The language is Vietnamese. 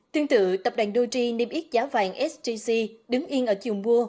tương tự tập đoàn doji niêm yếp giá bàn sgc đứng yên ở chiều mua